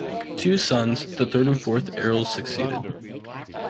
Two sons, the third and fourth Earls succeeded.